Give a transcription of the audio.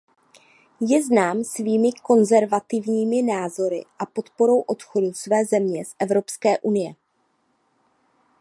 Je znám svými konzervativními názory a podporou odchodu své země z Evropské unie.